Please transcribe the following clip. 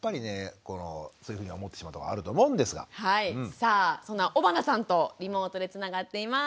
さあそんな尾花さんとリモートでつながっています。